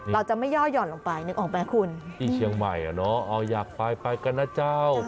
เราจะไม่ย่อหย่อนลงไปนึกออกไหมคุณที่เชียงใหม่อ่ะเนาะอยากไปไปกันนะเจ้า